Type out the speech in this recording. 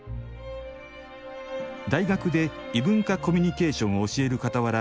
大学で異文化コミュニケーションを教えるかたわら